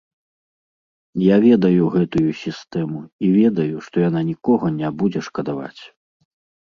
Я ведаю гэтую сістэму і ведаю, што яна нікога не будзе шкадаваць.